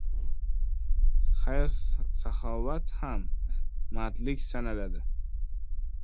Xayr-saxovat ham mardlik sanaladi.